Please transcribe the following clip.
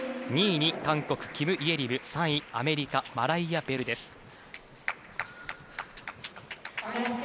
２位に韓国のキム・イェリム３位にアメリカ、マライア・ベルです。